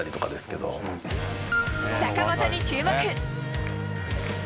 坂本に注目。